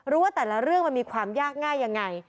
ว่าแต่ละเรื่องมันมีความยากง่ายยังไง